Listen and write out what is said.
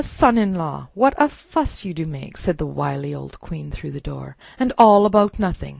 son in law! What a fuss you do make," said the wily old Queen through the door, "and all about nothing!